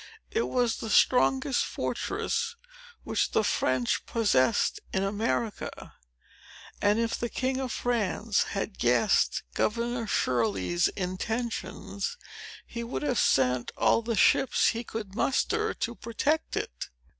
It was the strongest fortress which the French possessed in America; and if the king of France had guessed Governor Shirley's intentions, he would have sent all the ships he could muster, to protect it."